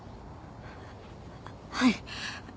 はい。